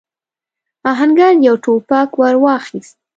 آهنګر يو ټوپک ور واخيست.